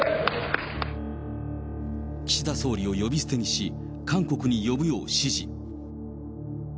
岸田総理を呼び捨てにし、韓国に呼ぶよう指示。